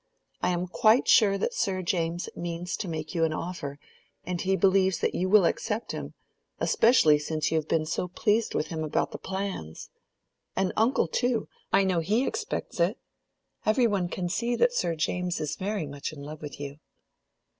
I am quite sure that Sir James means to make you an offer; and he believes that you will accept him, especially since you have been so pleased with him about the plans. And uncle too—I know he expects it. Every one can see that Sir James is very much in love with you."